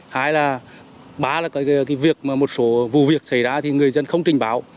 hai là ba là cái việc mà một số vụ việc xảy ra thì người dân không trình báo